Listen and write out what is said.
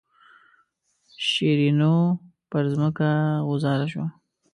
شیرینو پر ځمکه غوځاره شوه.